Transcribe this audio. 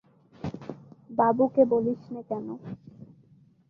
বাবুকে বলিস নে কেন।